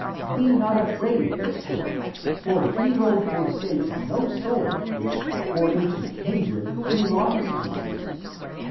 Be not afraid therefore. For he will forsake no soul which according to kindred belongs to thee.